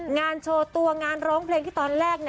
งานโชว์ตัวงานร้องเพลงที่ตอนแรก